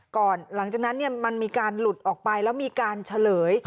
หลังจากนั้นมันมีการหลุดออกไปแล้วมีการเฉลย